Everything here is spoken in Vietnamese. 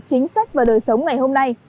chính sách và đời sống ngày hôm nay